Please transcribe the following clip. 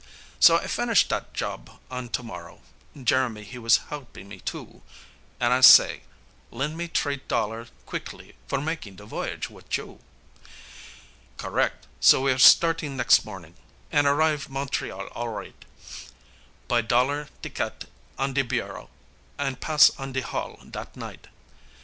So I finish dat job on to morrow, Jeremie he was helpin' me too, An' I say, "Len' me t'ree dollar quickly for mak' de voyage wit' you." Correc' so we're startin' nex' morning, an' arrive Montreal all right, Buy dollar tiquette on de bureau, an' pass on de hall dat night.